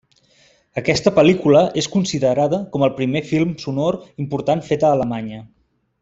Aquesta pel·lícula és considerada com el primer film sonor important fet a Alemanya.